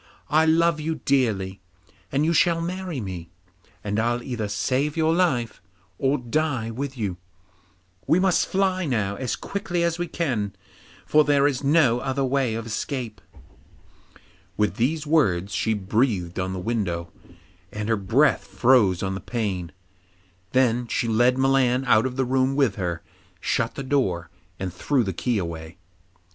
I love you dearly, and you shall marry me, and I'll either save your life or die with you. We must fly now as quickly as we can, for there is no other way of escape.' With these words she breathed on the window, and her breath froze on the pane. Then she led Milan out of the room with her, shut the door, and threw the key away.